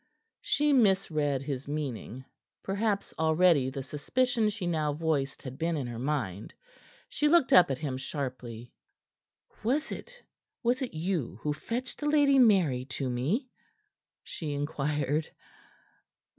She misread his meaning perhaps already the suspicion she now voiced had been in her mind. She looked up at him sharply. "Was it was it you who fetched the Lady Mary to me?" she inquired.